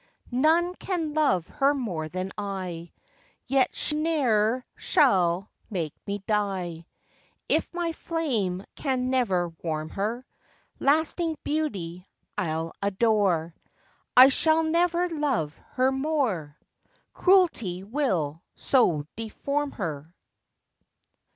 None can love her more than I, Yet she ne'er shall make me die, If my flame can never warm her: Lasting beauty I'll adore, I shall never love her more, Cruelty will so deform her.